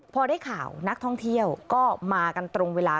พอได้ข่าวนักท่องเที่ยวก็มากันตรงเวลา